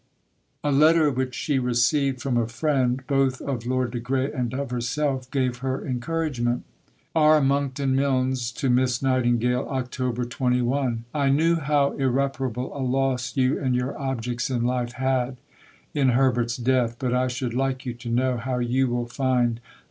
A letter which she received from a friend, both of Lord de Grey and of herself, gave her encouragement: (R. Monckton Milnes to Miss Nightingale.) October 21. I knew how irreparable a loss you and your objects in life had in Herbert's death, but I should like you to know how you will find Ld.